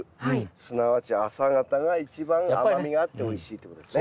すなわち朝方が一番甘みがあっておいしいってことですね。